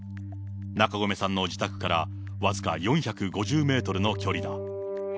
中込さんの自宅から僅か４５０メートルの距離だ。